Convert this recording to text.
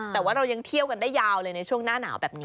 แต่ว่าเรายังเที่ยวกันได้ยาวเลยในช่วงหน้าหนาวแบบนี้